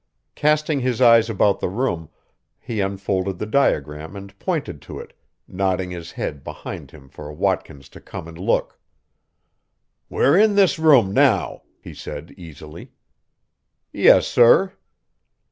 Casting his eyes about the room, he unfolded the diagram and pointed to it, nodding his head behind him for Watkins to come and look. "We're in this room now," he said, easily. "Yes, sir."